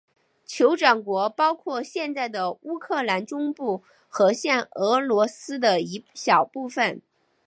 酋长国包括现在的乌克兰中部和现俄罗斯的一小部分。